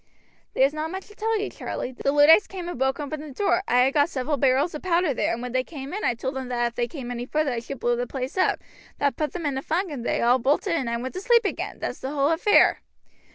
"There is not much to tell you, Charlie. The Luddites came and broke open the door. I had got several barrels of powder there, and when they came in I told them if they came any further I should blow the place up. That put them in a funk, and they all bolted, and I went to sleep again. That's the whole affair."